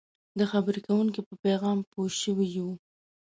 د خبرې کوونکي په پیغام پوه شوي یو.